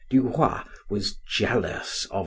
Du Roy was jealous of M.